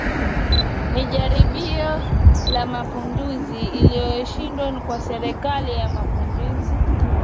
Ni jaribio la Mapinduzi lililoshindwa kwa Serikali ya Mapinduzi